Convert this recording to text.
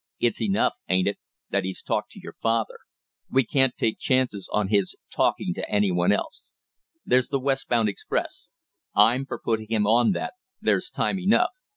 "It's enough, ain't it, that he's talked to your father; we can't take chances on his talking to any one else. There's the west bound express; I'm for putting him on that there's time enough.